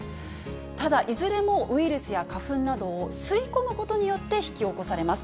ただ、いずれもウイルスや花粉などを吸い込むことによって引き起こされます。